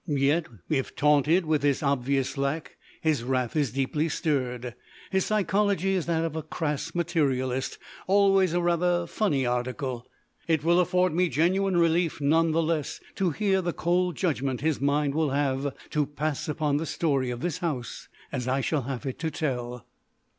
Yet, if taunted with this obvious lack, his wrath is deeply stirred. His psychology is that of the crass materialist always a rather funny article. It will afford me genuine relief, none the less, to hear the cold judgment his mind will have to pass upon the story of this house as I shall have it to tell.